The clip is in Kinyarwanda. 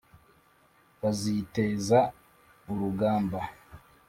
Baziteza urugamba